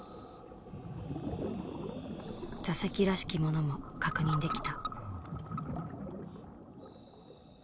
座席らしきものも確認できた。